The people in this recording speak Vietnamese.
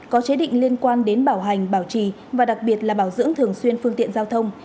có chế định liên quan đến bảo hành bảo trì và đặc biệt là bảo dưỡng thường xuyên phương tiện giao thông